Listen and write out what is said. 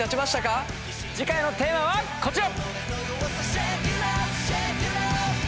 次回のテーマはこちら！